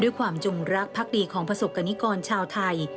ด้วยความจุงรักพรรคดีของประสบกนิกรชาวไทย